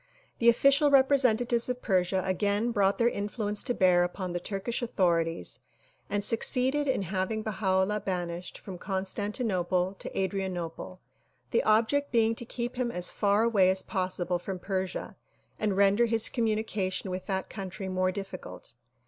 The official representatives of Persia again brought their influence to bear upon the Turkish authorities and succeeded in having Baha 'Ullah banished from Constantinople to Adrianople, the object being to keep him as far away as possible >from Persia and render his communication with that country more difficult.